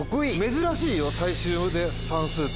珍しいよ最終で算数。